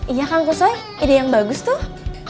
iya kang kuso ide yang bagus tuh